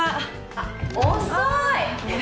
あっ遅い。